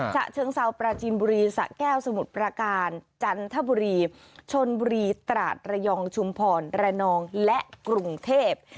ฉะเชิงเซาปราจินบุรีสะแก้วสมุทรประการจันทบุรีชนบุรีตราดระยองชุมพรระนองและกรุงเทพ